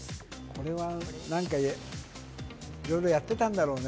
これはなんか、いろいろやってたんだろうね。